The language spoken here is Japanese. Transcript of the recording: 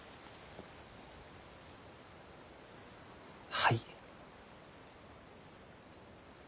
はい。